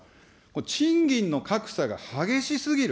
賃金の格差が激しすぎる。